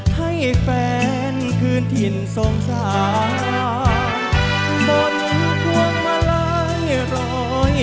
ให้แฟนคืนถิ่นสงสารบนพวงมาลัยรอย